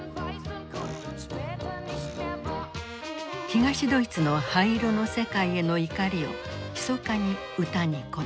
東ドイツの灰色の世界への怒りをひそかに歌に込めた。